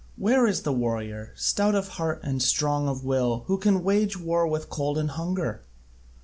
Where is the warrior, stout of heart and strong of will, who can wage war with cold and hunger?